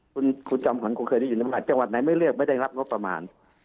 คุณคุณจอมขวัญกูเคยได้ยืนในหวัดจังหวัดไหนไม่เรียกไม่ได้รับงบประมาณ